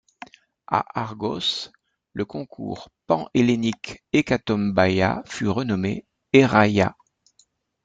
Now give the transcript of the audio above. À Argos, le concours panhellénique Hécatombaia fut renommé Héraia.